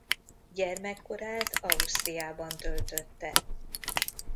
Gyermekkorát Ausztriában töltötte.